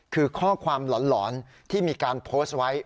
คือข้อความหลอนที่มีการโพสต์ไว้